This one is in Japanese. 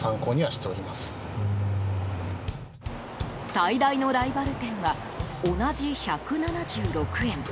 最大のライバル店は同じ１７６円。